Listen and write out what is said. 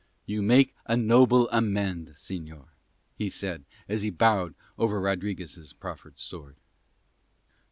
"You make a noble amend, señor," he said as he bowed over Rodriguez' proffered sword.